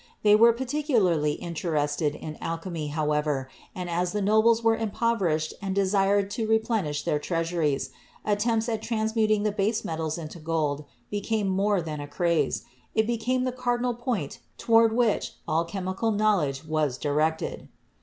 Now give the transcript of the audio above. They were par ticularly interested in alchemy, however, and as the nobles were impoverished and desireft to replenish their treasu ries, attempts at transmuting the base metals into gold became more than a craze — it became the cardinal point toward which all chemical knowledge was directed.